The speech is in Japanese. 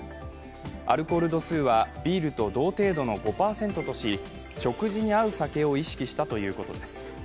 アルコール度数はビールと同程度の５％とし食事に合う酒を意識したということです。